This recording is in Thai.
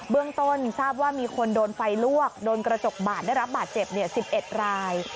เรื่องต้นทราบว่ามีคนโดนไฟลวกโดนกระจกบาดได้รับบาดเจ็บ๑๑ราย